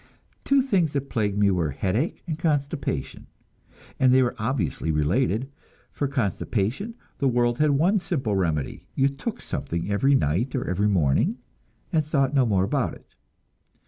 Two things that plagued me were headache and constipation, and they were obviously related. For constipation, the world had one simple remedy; you "took something" every night or every morning, and thought no more about it.